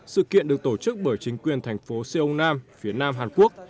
sự kiện được tổ chức bởi chính quyền thành phố siêu nam phía nam hàn quốc